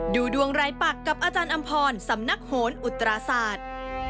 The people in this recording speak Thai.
ดูดวงรายปักกับอาจารย์อำพรสำนักโหนอุตราศาสตร์